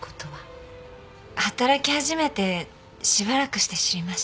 働き始めてしばらくして知りました。